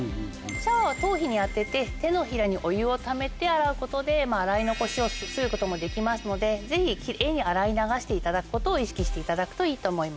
シャワーを頭皮に当てて手のひらにお湯をためて洗うことで洗い残しを防ぐこともできますのでぜひキレイに洗い流していただくことを意識していただくといいと思います。